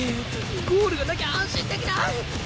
ゴールがなきゃ安心できない！